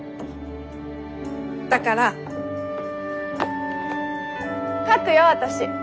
だから書くよ私。